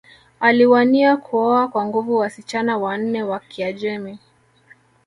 Aliwania kuoa kwa nguvu wasichana wanne wa Kiajemi